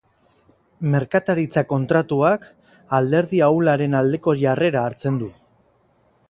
Merkataritza kontratuak alderdi ahularen aldeko jarrera hartzen du.